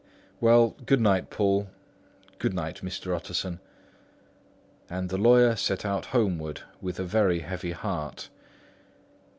"Well, good night, Poole." "Good night, Mr. Utterson." And the lawyer set out homeward with a very heavy heart.